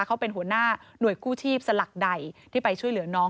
เขาเป็นหัวหน้าหน่วยกู้ชีพสลักใดที่ไปช่วยเหลือน้อง